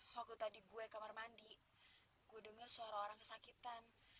waktu tadi gue kamar mandi gue denger suara orang kesakitan